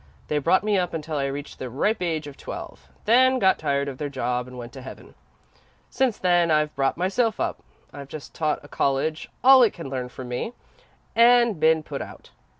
They brought me up until I reached the ripe age of twelve, then got tired of their job and went to heaven. Since then I've brought myself up. I've just taught a college all it can learn from me, and been put out.